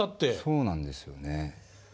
そうなんですよね。